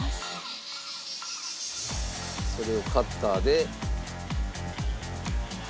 それをカッターで。